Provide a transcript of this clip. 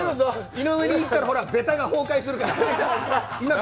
井上に行ったらベタが崩壊するから。